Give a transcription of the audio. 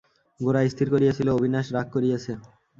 গোরা স্থির করিয়াছিল অবিনাশ রাগ করিয়াছে।